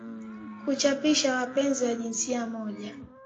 kuchapisha wapenzi wa jinsia moja